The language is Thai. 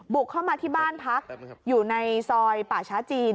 เข้ามาที่บ้านพักอยู่ในซอยป่าช้าจีน